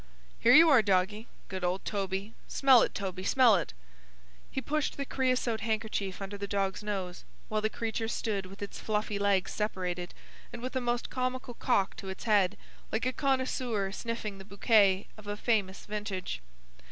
"Here you are, doggy! Good old Toby! Smell it, Toby, smell it!" He pushed the creasote handkerchief under the dog's nose, while the creature stood with its fluffy legs separated, and with a most comical cock to its head, like a connoisseur sniffing the bouquet of a famous vintage.